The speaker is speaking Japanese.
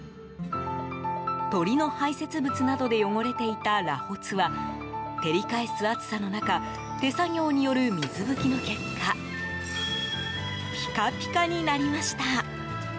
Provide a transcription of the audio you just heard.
鳥の排泄物などで汚れていた螺髪は照り返す暑さの中手作業による水拭きの結果ピカピカになりました。